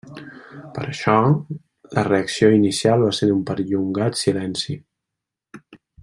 Per això, la reacció inicial va ser d'un perllongat silenci.